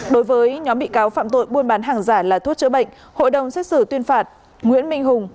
đối với nhóm bị cáo phạm tội buôn bán hàng giả là thuốc chữa bệnh hội đồng xét xử tuyên phạt nguyễn minh hùng